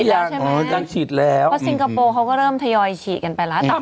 เพราะสิงคโปรเขาก็เริ่มทยอยฉีดกันไปแล้ว